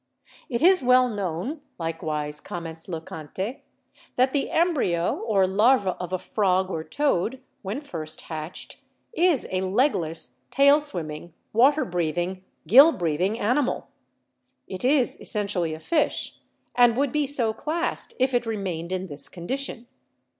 "It is well known," likewise comments Le Conte, "that the embryo or larva of a frog or toad, when first hatched, is a legless, tail swimming, water breathing, gill breath ing animal. It is essentially a fish, and would be so classed if it remained in this condition.